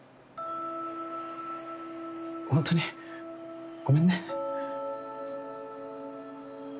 本当にごめんね。